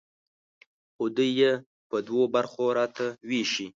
خو دوی یې په دوو برخو راته ویشي.